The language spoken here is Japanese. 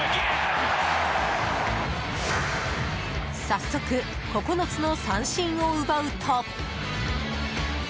早速、９つの三振を奪うと。